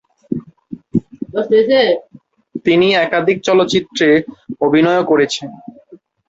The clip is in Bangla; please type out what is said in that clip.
তিনি একাধিক চলচ্চিত্রে অভিনয়ও করেছেন।